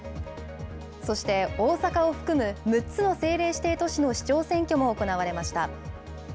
そして大阪を含む６つの政令指定都市の市長選挙も行われました。